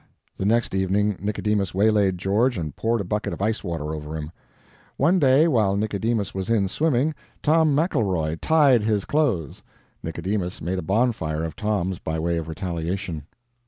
The next evening Nicodemus waylaid George and poured a bucket of ice water over him. One day, while Nicodemus was in swimming, Tom McElroy "tied" his clothes. Nicodemus made a bonfire of Tom's by way of retaliation.